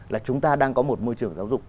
là chúng ta đang có một môi trường giáo dục